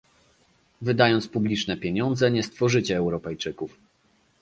Wydając publiczne pieniądze, nie stworzycie Europejczyków